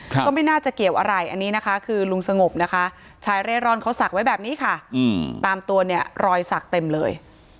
ก็ไม่น่าจะเกี่ยวอะไรอันนี้นะคะคือลุงสงบนะคะชายเร่ร่อนเขาสักไว้แบบนี้ค่ะตามตัวเนี่ยรอยสักเต็มเลย